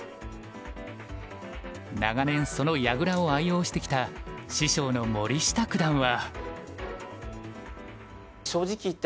長年その矢倉を愛用してきた師匠の森下九段は。